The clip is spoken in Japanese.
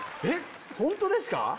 えっ本当ですか？